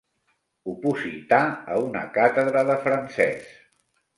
Opositar a una càtedra de francès.